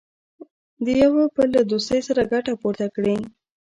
د یوه بل له دوستۍ څخه ګټه پورته کړي.